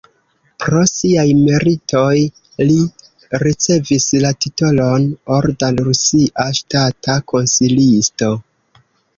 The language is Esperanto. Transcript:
Pro siaj meritoj li ricevis la titolon "Orda rusia ŝtata konsilisto".